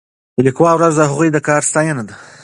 د لیکوالو ورځ د هغوی د کار ستاینه ده.